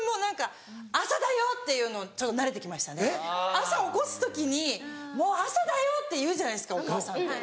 朝起こす時に「もう朝だよ！」って言うじゃないですかお母さんって。